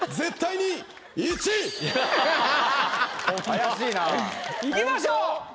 怪しいな。いきましょう。